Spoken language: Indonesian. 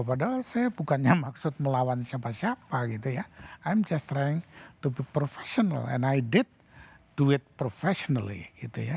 padahal saya bukannya maksud melawan siapa siapa gitu ya im just trength to be professional and it do it professionally gitu ya